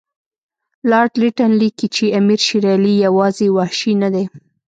لارډ لیټن لیکي چې امیر شېر علي یوازې وحشي نه دی.